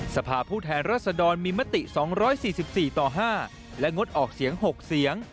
สภาพผู้แทนรัศดรมีมติ๒๔๔ต่อ๕และงดออกเสียง๖เสียง